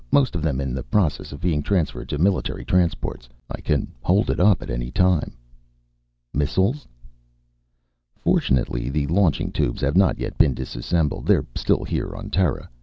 Most of them in the process of being transferred to military transports. I can hold it up at any time." "Missiles?" "Fortunately, the launching tubes have not yet been disassembled. They're still here on Terra.